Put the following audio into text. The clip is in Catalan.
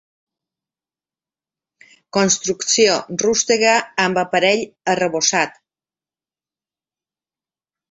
Construcció rústega amb aparell arrebossat.